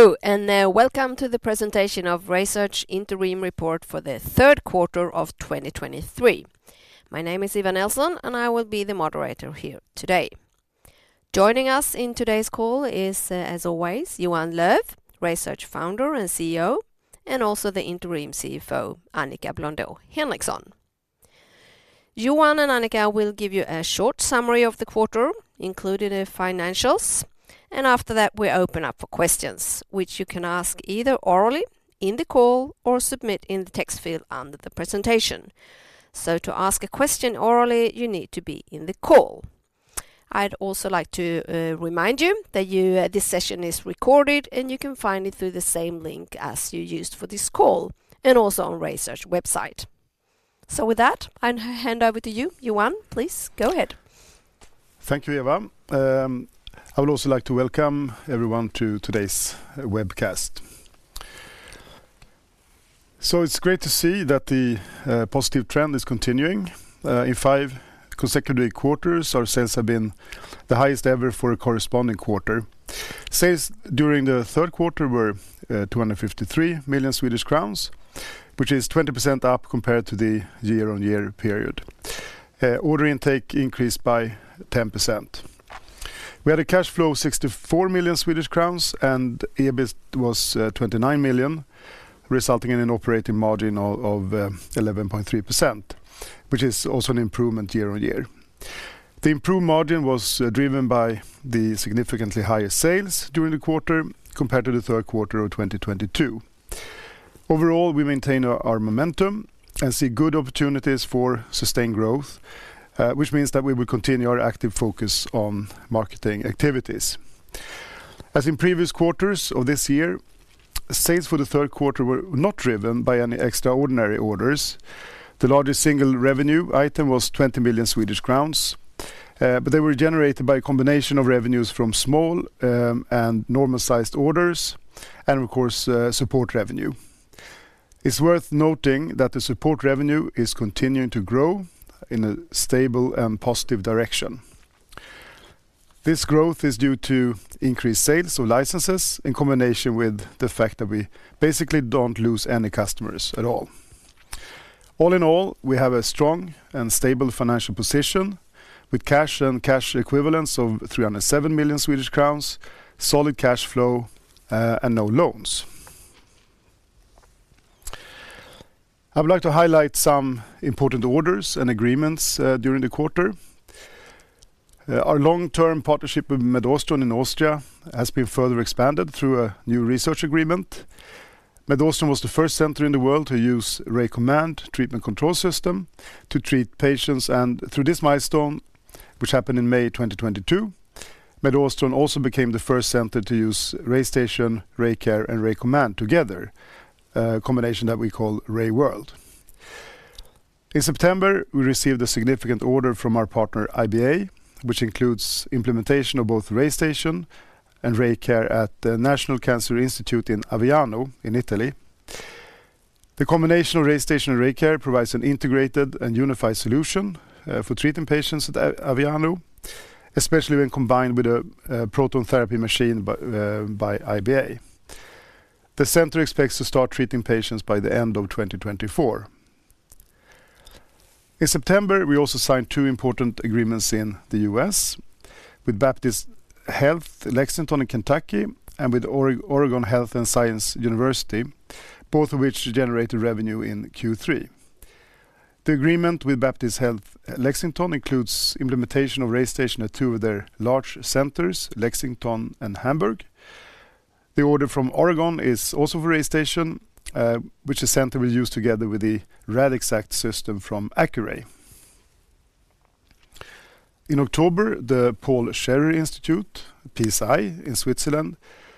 Hello, and welcome to the presentation of RaySearch Interim Report for the Third Quarter of 2023. My name is Eva Nilsson, and I will be the moderator here today. Joining us in today's call is, as always, Johan Löf, RaySearch founder and CEO, and also the interim CFO, Annika Blondeau Henriksson. Johan and Annika will give you a short summary of the quarter, including the financials, and after that, we open up for questions, which you can ask either orally in the call or submit in the text field under the presentation. So to ask a question orally, you need to be in the call. I'd also like to remind you that this session is recorded, and you can find it through the same link as you used for this call, and also on RaySearch website. So with that, I'll hand over to you, Johan. Please, go ahead. Thank you, Eva. I would also like to welcome everyone to today's webcast. So, it's great to see that the positive trend is continuing. In five consecutive quarters, our sales have been the highest ever for a corresponding quarter. Sales during the third quarter were 253 million Swedish crowns, which is 20% up compared to the year-on-year period. Order intake increased by 10%. We had a cash flow of 64 million Swedish crowns, and EBIT was 29 million, resulting in an operating margin of 11.3%, which is also an improvement year-on-year. The improved margin was driven by the significantly higher sales during the quarter compared to the third quarter of 2022. Overall, we maintain our momentum and see good opportunities for sustained growth, which means that we will continue our active focus on marketing activities. As in previous quarters of this year, sales for the third quarter were not driven by any extraordinary orders. The largest single revenue item was 20 million Swedish crowns, but they were generated by a combination of revenues from small and normal-sized orders, and of course, support revenue. It's worth noting that the support revenue is continuing to grow in a stable and positive direction. This growth is due to increased sales of licenses in combination with the fact that we basically don't lose any customers at all. All in all, we have a strong and stable financial position with cash and cash equivalents of 307 million Swedish crowns, solid cash flow, and no loans. I would like to highlight some important orders and agreements during the quarter. Our long-term partnership with MedAustron in Austria has been further expanded through a new research agreement. MedAustron was the first center in the world to use RayCommand treatment control system to treat patients, and through this milestone, which happened in May 2022, MedAustron also became the first center to use RayStation, RayCare, and RayCommand together, a combination that we call RayWorld. In September, we received a significant order from our partner, IBA, which includes implementation of both RayStation and RayCare at the National Cancer Institute in Aviano, in Italy. The combination of RayStation and RayCare provides an integrated and unified solution for treating patients at Aviano, especially when combined with a proton therapy machine by IBA. The center expects to start treating patients by the end of 2024. In September, we also signed two important agreements in the U.S. with Baptist Health Lexington in Kentucky and with Oregon Health and Science University, both of which generated revenue in Q3. The agreement with Baptist Health Lexington includes implementation of RayStation at two of their large centers, Lexington and Hamburg. The order from Oregon is also for RayStation, which the center will use together with the Radixact system from Accuray. In October, the Paul Scherrer Institute, PSI, in Switzerland,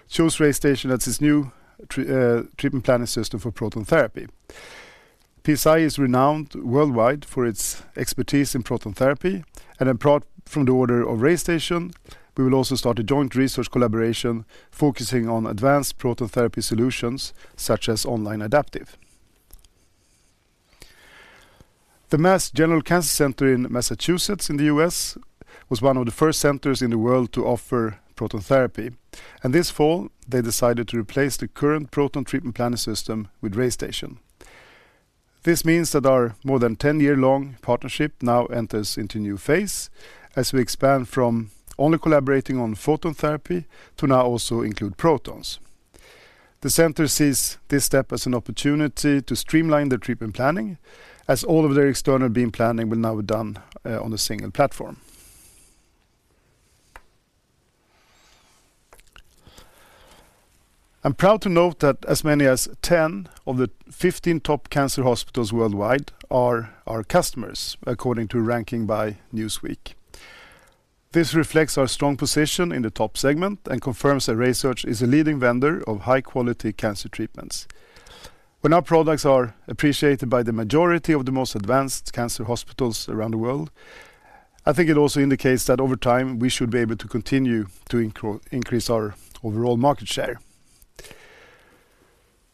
chose RayStation as its new treatment planning system for proton therapy. PSI is renowned worldwide for its expertise in proton therapy, and apart from the order of RayStation, we will also start a joint research collaboration focusing on advanced proton therapy solutions, such as online adaptive. The Mass General Cancer Center in Massachusetts, in the U.S., was one of the first centers in the world to offer proton therapy, and this fall, they decided to replace the current proton treatment planning system with RayStation. This means that our more than 10-year-long partnership now enters into a new phase as we expand from only collaborating on photon therapy to now also include protons. The center sees this step as an opportunity to streamline the treatment planning, as all of their external beam planning will now be done on a single platform. I'm proud to note that as many as 10 of the 15 top cancer hospitals worldwide are our customers, according to ranking by Newsweek. This reflects our strong position in the top segment and confirms that RaySearch is a leading vendor of high-quality cancer treatments. When our products are appreciated by the majority of the most advanced cancer hospitals around the world, I think it also indicates that over time, we should be able to continue to increase our overall market share.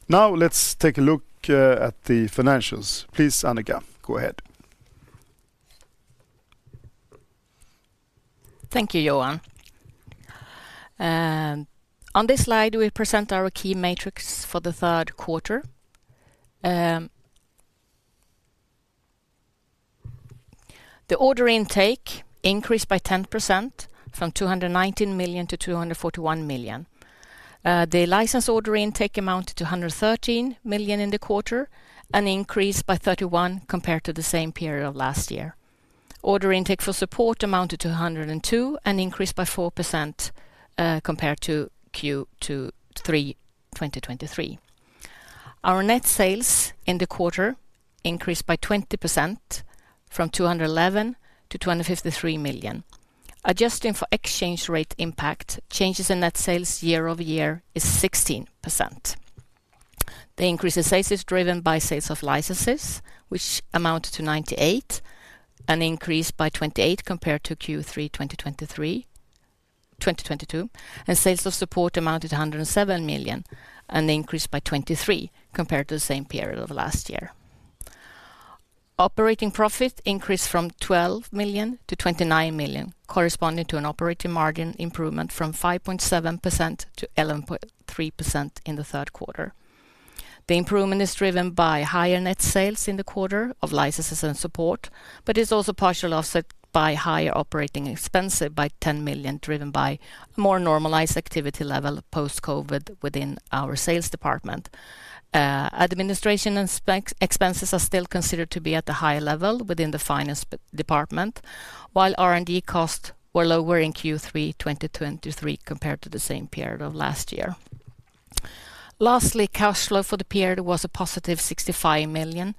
Now, let's take a look at the financials. Please, Annika, go ahead.... Thank you, Johan. On this slide, we present our key metrics for the third quarter. The order intake increased by 10% from 219 million - 241 million. The license order intake amounted to 113 million in the quarter, and increased by 31% compared to the same period of last year. Order intake for support amounted to 102 million, and increased by 4% compared to Q2 2023. Our net sales in the quarter increased by 20% from 211 million - 253 million. Adjusting for exchange rate impact, changes in net sales year-over-year is 16%. The increase in sales is driven by sales of licenses, which amounted to 98 million and increased by 28 compared to Q3, 2023, 2022, and sales of support amounted to 107 million and increased by 23 compared to the same period of last year. Operating profit increased from 12 million - 29 million, corresponding to an operating margin improvement from 5.7% - 11.3% in the third quarter. The improvement is driven by higher net sales in the quarter of licenses and support, but is also partially offset by higher operating expenses by 10 million, driven by more normalized activity level post-COVID within our sales department. Administration and expenses are still considered to be at the high level within the finance department, while R&D costs were lower in Q3 2023 compared to the same period of last year. Lastly, cash flow for the period was positive 65 million,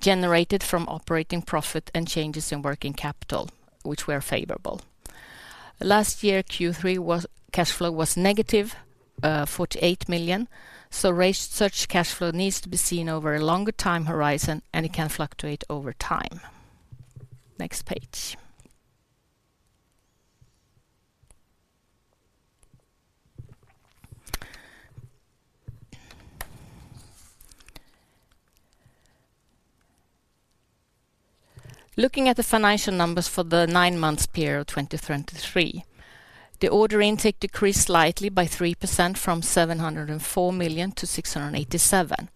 generated from operating profit and changes in working capital, which were favorable. Last year, Q3 cash flow was -48 million, so RaySearch's cash flow needs to be seen over a longer time horizon, and it can fluctuate over time. Next page. Looking at the financial numbers for the 9-month period of 2023, the order intake decreased slightly by 3% from 704 million to 687 million.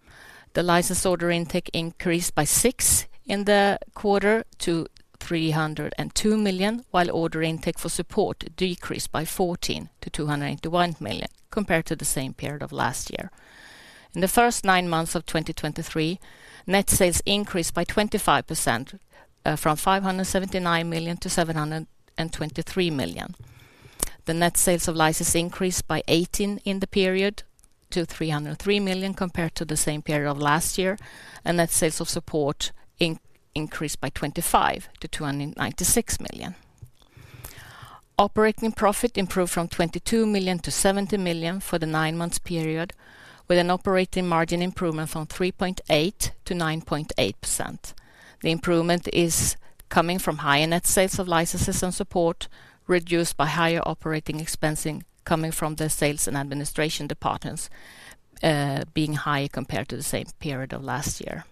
The license order intake increased by 6% in the quarter to 302 million, while order intake for support decreased by 14% to 281 million compared to the same period of last year. In the first nine months of 2023, net sales increased by 25%, from 579 million - 723 million. The net sales of licenses increased by 18% in the period to 303 million, compared to the same period of last year, and net sales of support increased by 25% to 296 million. Operating profit improved from 22 million - 70 million for the 9-months period, with an operating margin improvement from 3.8% - 9.8%. The improvement is coming from higher net sales of licenses and support, reduced by higher operating expenses coming from the sales and administration departments, being high compared to the same period of last year.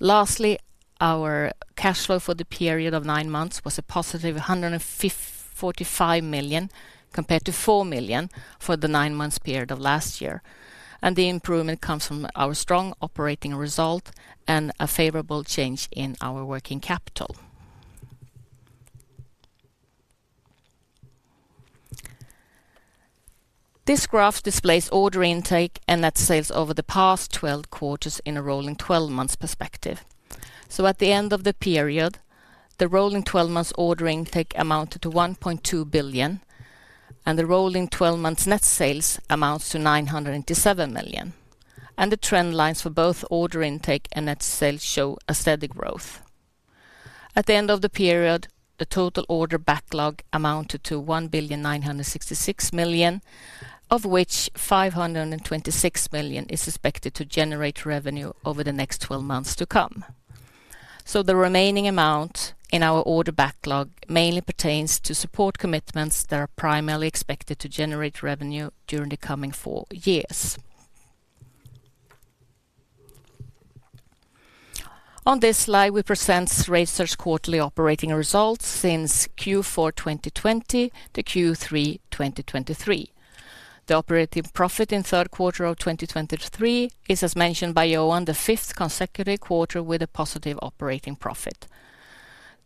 Lastly, our cash flow for the period of nine months was a +145 million, compared to 4 million for the 9-month period of last year, and the improvement comes from our strong operating result and a favorable change in our working capital. This graph displays order intake and net sales over the past twelve quarters in a rolling 12 months perspective. So at the end of the period, the rolling 12 months order intake amounted to 1.2 billion, and the rolling 12 months net sales amounts to 987 million, and the trend lines for both order intake and net sales show a steady growth. At the end of the period, the total order backlog amounted to 1,966 million, of which 526 million is expected to generate revenue over the next 12 months to come. The remaining amount in our order backlog mainly pertains to support commitments that are primarily expected to generate revenue during the coming 4 years. On this slide, we present RaySearch's quarterly operating results since Q4 2020 to Q3 2023. The operating profit in third quarter of 2023 is, as mentioned by Johan, the fifth consecutive quarter with a positive operating profit.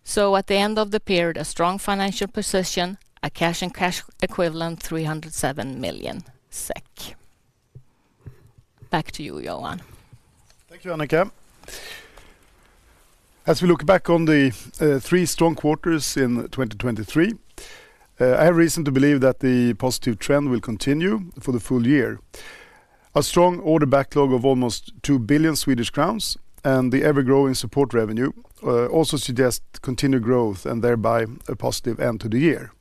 At the end of the period, a strong financial position, a cash and cash equivalents, 307 million SEK. Back to you, Johan. Thank you, Annika. As we look back on the three strong quarters in 2023, I have reason to believe that the positive trend will continue for the full-year. A strong order backlog of almost 2 billion Swedish crowns and the ever-growing support revenue also suggest continued growth and thereby a positive end to the year.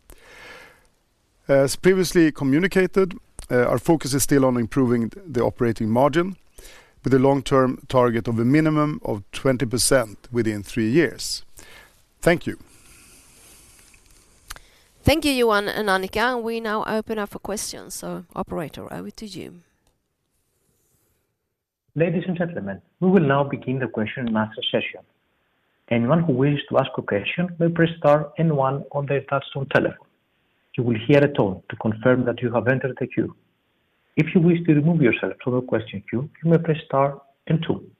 As previously communicated, our focus is still on improving the operating margin with a long-term target of a minimum of 20% within 3 years. Thank you. Thank you, Johan and Annika. We now open up for questions. So, operator, over to you.... Ladies and gentlemen, we will now begin the question and answer session. Anyone who wishes to ask a question may press star and one on their touchtone telephone. You will hear a tone to confirm that you have entered the queue. If you wish to remove yourself from the question queue, you may press star and two.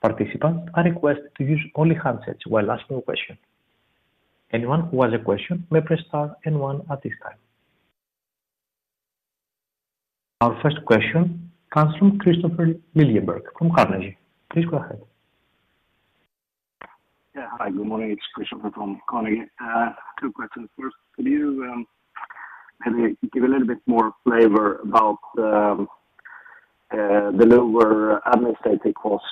Participants are requested to use only handsets while asking a question. Anyone who has a question may press star and one at this time. Our first question comes from Kristofer Liljenberg from Carnegie. Please go ahead. Yeah. Hi, good morning. It's Kristofer from Carnegie. Two questions. First, could you maybe give a little bit more flavor about the lower administrative cost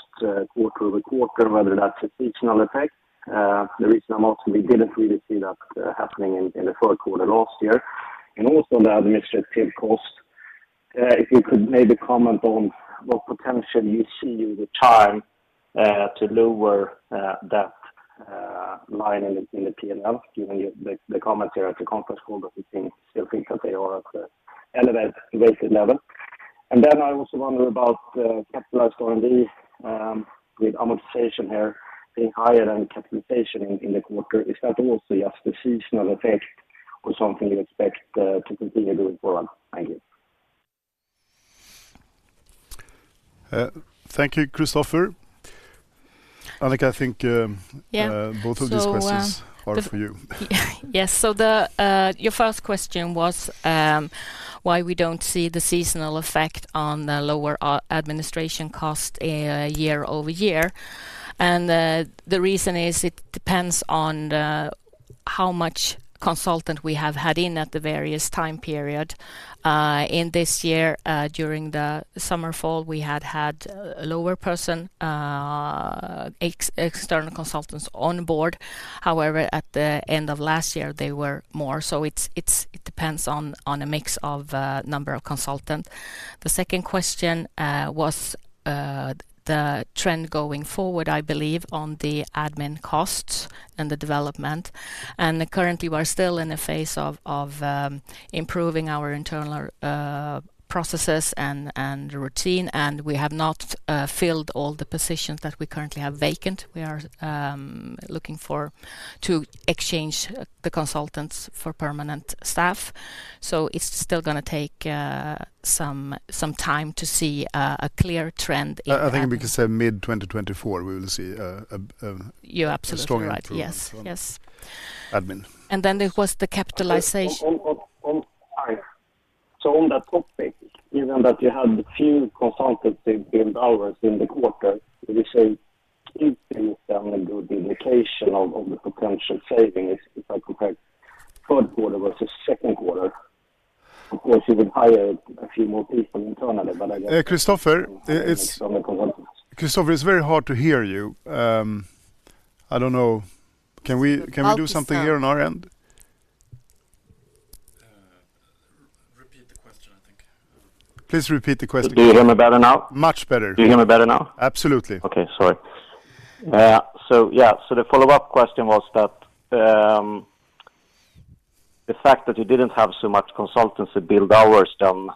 quarter-over-quarter, whether that's a seasonal effect? The reason I'm asking, we didn't really see that happening in the third quarter last year. And also the administrative cost, if you could maybe comment on what potential you see in the time to lower that line in the P&L, given the comments here at the conference call, that we've seen still think that they are at the end of it, basic level. And then I also wonder about capitalized R&D, with amortization here being higher than capitalization in the quarter. Is that also a seasonal effect or something you expect to continue going forward? Thank you. Thank you, Kristofer. Annika, I think, Yeah. both of these questions- So, um- - are for you. Yeah. Yes. So your first question was why we don't see the seasonal effect on the lower administration cost year-over-year. And the reason is it depends on how much consultant we have had in at the various time period. In this year, during the summer, fall, we had had a lower person external consultants on board. However, at the end of last year, they were more, so it depends on a mix of number of consultants. The second question was the trend going forward, I believe, on the admin costs and the development. And currently, we're still in a phase of improving our internal processes and routine, and we have not filled all the positions that we currently have vacant. We are looking for to exchange the consultants for permanent staff, so it's still gonna take some time to see a clear trend in that. I think we can say mid-2024, we will see a, a- You're absolutely right.... a stronger improvement. Yes. Yes. Admin. And then it was the capitalization. On that topic, given that you had the few consultancy billed hours in the quarter, would you say it is then a good indication of the potential savings if I compare third quarter versus second quarter? Of course, you would hire a few more people internally, but I guess- Christopher, it's- From the consultants. Christopher, it's very hard to hear you. I don't know. Can we, can we do something here on our end? Repeat the question, I think. Please repeat the question. Do you hear me better now? Much better. Do you hear me better now? Absolutely. Okay. Sorry. So yeah. So the follow-up question was that, the fact that you didn't have so much consultancy billed hours then,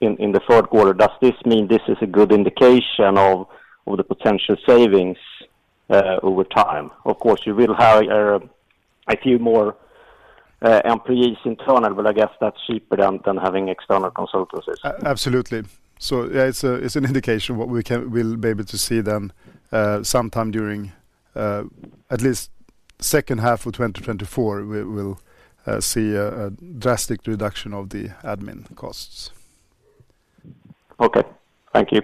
in the third quarter, does this mean this is a good indication of the potential savings over time? Of course, you will hire a few more employees internal, but I guess that's cheaper than having external consultancies. Absolutely. So yeah, it's an indication what we can... We'll be able to see then, sometime during at least second half of 2024, we'll see a drastic reduction of the admin costs. Okay. Thank you.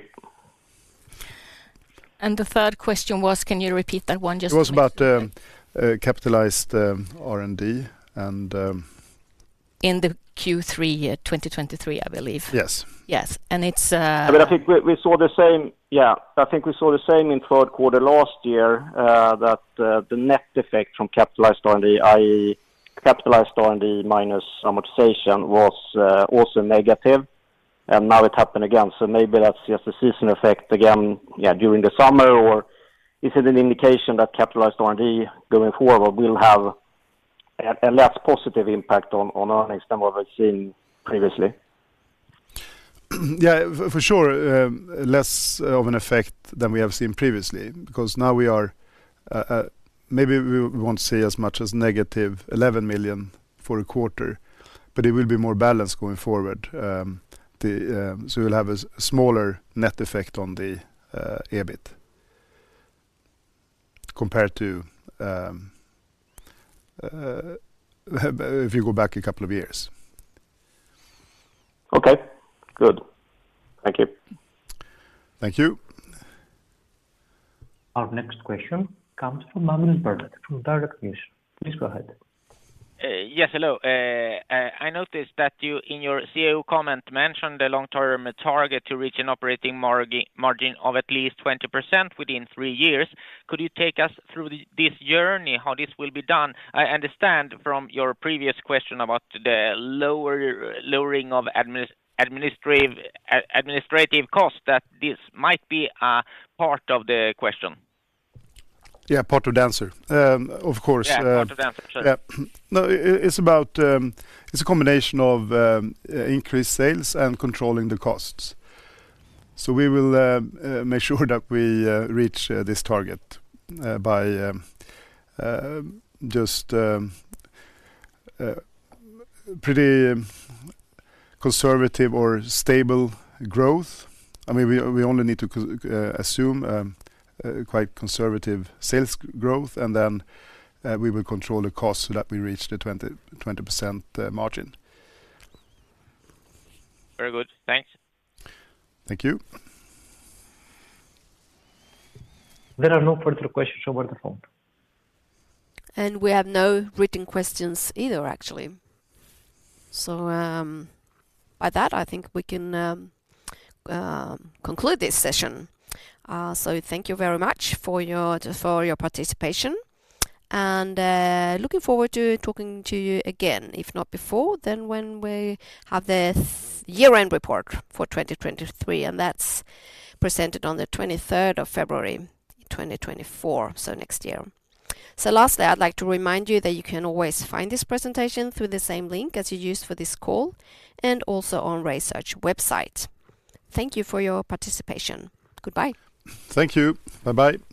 The third question was, can you repeat that one just for me? It was about capitalized R&D and- In the Q3 year, 2023, I believe. Yes. Yes. And it's, I think we saw the same... Yeah, I think we saw the same in third quarter last year, that the net effect from capitalized R&D, i.e., capitalized R&D minus amortization, was also negative, and now it happened again. So maybe that's just a season effect again, yeah, during the summer, or is it an indication that capitalized R&D going forward will have a less positive impact on earnings than what we've seen previously? Yeah, for sure, less of an effect than we have seen previously, because now we are. Maybe we won't see as much as -11 million for a quarter, but it will be more balanced going forward. So, we'll have a smaller net effect on the EBIT, compared to if you go back a couple of years. Okay, good. Thank you. Thank you. Our next question comes from Magnus Bernin from DNB. Please go ahead. Yes, hello. I noticed that you, in your CEO comment, mentioned the long-term target to reach an operating margin of at least 20% within 3 years. Could you take us through this journey, how this will be done? I understand from your previous question about the lowering of administrative cost, that this might be a part of the question. Yeah, part of the answer. Of course, Yeah, part of the answer, sorry. Yeah. No, it's about, it's a combination of increased sales and controlling the costs. So we will make sure that we reach this target by just pretty conservative or stable growth. I mean, we only need to assume a quite conservative sales growth, and then we will control the cost so that we reach the 20% margin. Very good. Thanks. Thank you. There are no further questions over the phone. We have no written questions either, actually. So, by that, I think we can conclude this session. So thank you very much for your, for your participation, and looking forward to talking to you again, if not before, then when we have the year-end report for 2023, and that's presented on the 23rd of February 2024, so next year. So lastly, I'd like to remind you that you can always find this presentation through the same link as you used for this call, and also on RaySearch website. Thank you for your participation. Goodbye. Thank you. Bye-bye. Thank you.